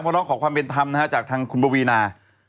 ร้องขอความเป็นธรรมนะฮะจากทางคุณปวีนา